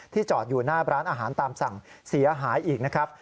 จอดอยู่หน้าร้านอาหารตามสั่งเสียหายอีกนะครับ